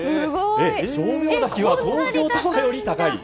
称名滝は東京タワーより高い。